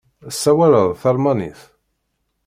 Tessawaleḍ talmanit?